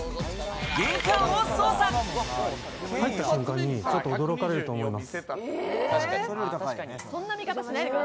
玄入った瞬間に、ちょっと驚かれると思います。